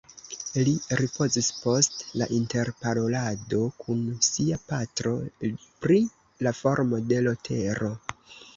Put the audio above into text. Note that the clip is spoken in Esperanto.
Li ripozis post la interparolado kun sia patro pri la formo de l' tero